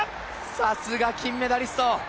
さすが金メダリスト。